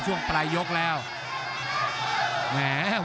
ภูตวรรณสิทธิ์บุญมีน้ำเงิน